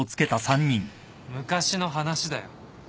昔の話だよ。